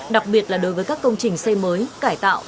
đặc biệt là đối với các công trình xây mới cải tạo